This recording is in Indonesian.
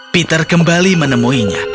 peter kembali menemuinya